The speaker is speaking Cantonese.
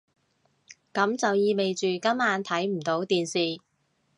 噉就意味住今晚睇唔到電視